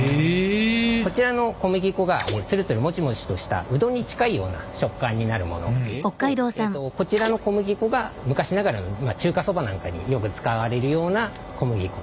こちらの小麦粉がツルツルもちもちとしたうどんに近いような食感になるものとこちらの小麦粉が昔ながらの中華そばなんかによく使われるような小麦粉。